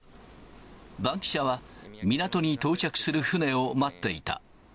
バンキシャは、港に到着する船を待っていた。